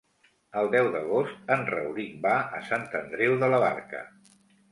El deu d'agost en Rauric va a Sant Andreu de la Barca.